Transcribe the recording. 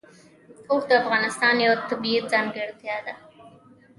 اوښ د افغانستان یوه طبیعي ځانګړتیا ده.